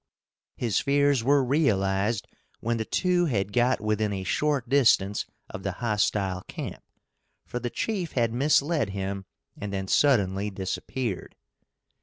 His fears were realized when the two had got within a short distance of the hostile camp, for the chief had misled him and then suddenly disappeared.